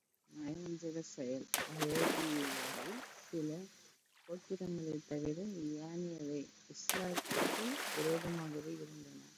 நயவஞ்சகச் செயல் அரேபியாவில் சில கோத்திரங்களைத் தவிர, ஏனையவை இஸ்லாத்துக்கு விரோதமாகவே இருந்தன.